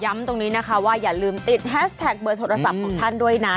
ตรงนี้นะคะว่าอย่าลืมติดแฮชแท็กเบอร์โทรศัพท์ของท่านด้วยนะ